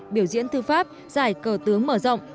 biểu diễn thư pháp giải cờ tướng mở rộng